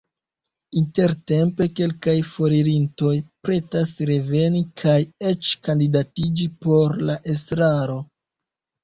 Intertempe kelkaj foririntoj pretas reveni kaj eĉ kandidatiĝi por la estraro.